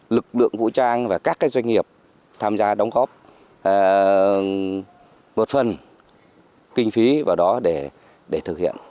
lực lượng vũ trang và các doanh nghiệp tham gia đóng góp một phần kinh phí vào đó để thực hiện